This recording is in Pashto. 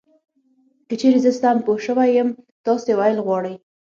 که چېرې زه سم پوه شوی یم تاسې ویل غواړی .